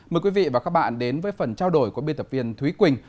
mời quý vị và các bạn đến với phần trao đổi của biên tập viên thúy quỳnh